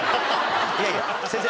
いやいや先生